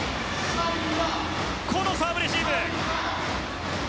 このサーブレシーブ。